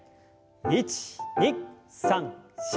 １２３４。